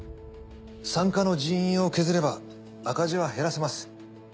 産科の人員を削れば赤字は減らせます。